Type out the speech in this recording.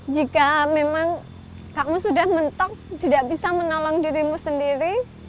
jika memang kamu sudah mentok tidak bisa menolong dirimu sendiri